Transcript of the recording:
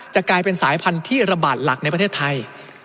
กลายเป็นสายพันธุ์ที่ระบาดหลักในประเทศไทย